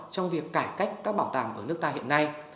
trong việc cải cách các bảo tàng ở nước ta hiện nay